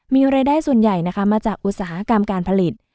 มีรายได้ส่วนใหญ่นะคะมาจากอุตสาหกรรมการผลิต